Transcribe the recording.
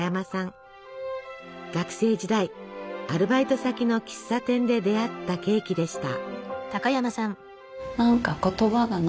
学生時代アルバイト先の喫茶店で出会ったケーキでした。